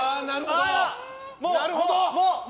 なるほど！